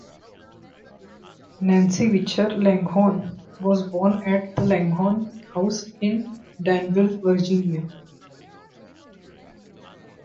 Nancy Witcher Langhorne was born at the Langhorne House in Danville, Virginia.